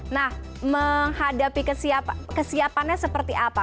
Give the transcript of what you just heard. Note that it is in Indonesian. nah menghadapi kesiapannya seperti apa